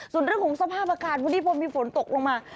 ส่วนเรื่องของสภาพอากาศวันนี้พอมีฝนตกลงมา